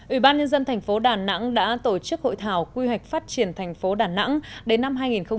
ủy ban nhân dân thành phố đà nẵng đã tổ chức hội thảo quy hoạch phát triển thành phố đà nẵng đến năm hai nghìn ba mươi